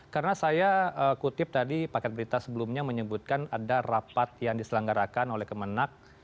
karena saya kutip tadi paket berita sebelumnya menyebutkan ada rapat yang diselenggarakan oleh kemenang